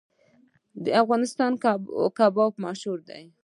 د افغانستان کباب مشهور دی